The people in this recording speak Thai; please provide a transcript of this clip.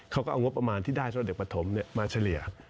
เขาก็เอางบประมาณที่ได้สำหรับเด็กปฐมมาเฉลี่ย